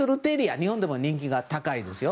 日本でも人気が高いですよ。